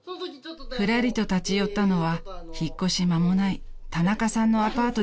［ふらりと立ち寄ったのは引っ越し間もない田中さんのアパートでした］